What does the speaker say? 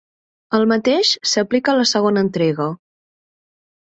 El mateix s'aplica a la segona entrega.